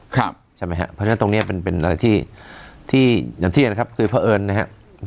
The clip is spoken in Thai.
เพราะฉะนั้นตรงนี้เป็นอะไรที่อย่างที่นะครับคือเพราะเอิญนะครับ